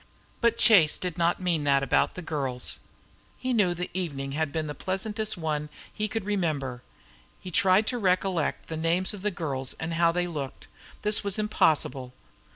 But Chase did not mean that about the girls. He knew the evening had been the pleasantest one he could remember. He tried to recollect the names of the girls and how they looked. This was impossible.